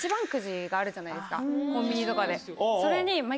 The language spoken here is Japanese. コンビニとかでそれに。